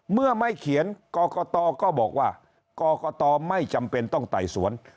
เมื่อไม่เขียนกรกตก็บอกว่ากรกตไม่จำเป็นต้องไต่สวน